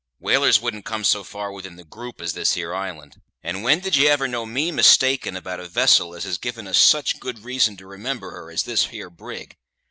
Whalers wouldn't come so far within the group as this here island. And when did ye ever know me mistaken about a vessel as has given us such good reason to remember her as this here brig?